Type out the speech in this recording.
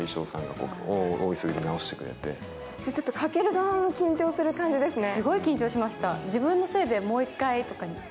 かける側も緊張する感じですね。